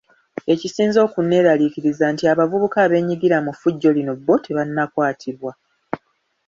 Ekisinze okunneeraliikiriza nti abavubuka abeenyigira mu ffujjo lino bo tebannakwatibwa.